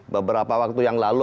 beberapa waktu yang lalu